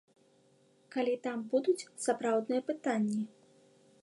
Калі там будуць сапраўдныя пытанні.